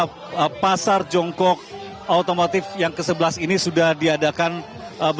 ada pengecekan simula pengecekan besi laluclamation and anything setelah percoba villian ingin demolish reluctar until the